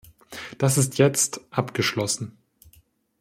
Das ist jetzt abgeschlossen.